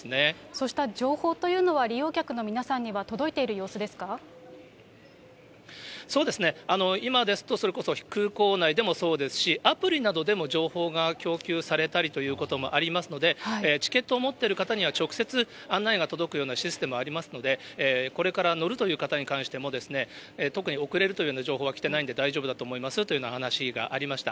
そうした情報というのは、利用客の皆さんには届いている様子そうですね、今ですと、それこそ空港内でもそうですし、アプリなどでも情報が供給されたりということもありますので、チケットを持ってる方には直接案内が届くようなシステムがありますので、これから乗るという方に関しても、特に遅れるというような情報はきてないんで大丈夫だと思いますというような話がありました。